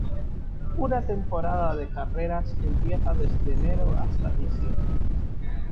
Una temporada de carreras empieza desde enero hasta diciembre.